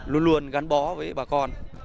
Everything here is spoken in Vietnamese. luôn luôn gắn bó với bà con